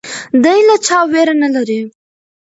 دی له چا ویره نه لري.